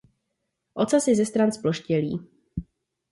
Ocas je ze stran zploštělý.